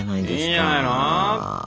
いいんじゃないの？